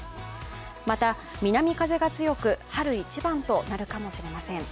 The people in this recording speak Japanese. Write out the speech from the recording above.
また、南風が強く、春一番となるかもしれません。